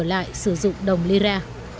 lại sử dụng đồng lira